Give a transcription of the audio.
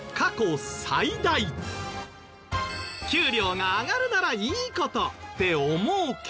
給料が上がるならいい事！って思うけど。